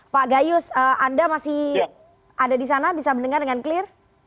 pak gayus anda masih ada di sana bisa mendengar dengan clear